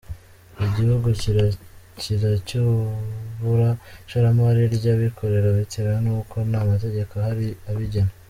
Igihugu kiracyabura ishoramari ry’abikorera bitewe nuko nta mategeko ahari abigena.